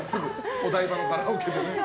お台場のカラオケでね。